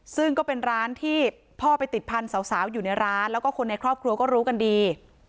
ซึ่งก็เป็นร้านที่พ่อไปติดพันธุ์สาวอยู่ในร้านแล้วก็คนในครอบครัวก็รู้กันดี